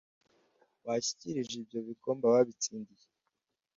washyikirije ibyo bikombe ababitsindiye